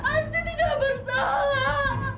astrid tidak bersalah